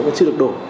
mà chưa được đổ